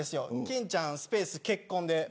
きんちゃんスペース結婚で。